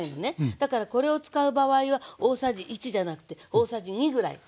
だからこれを使う場合は大さじ１じゃなくて大さじ２ぐらい使って下さい。